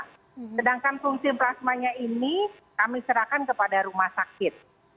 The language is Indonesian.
sedangkan fungsi plasmanya ini kami serahkan kepada rumah sakit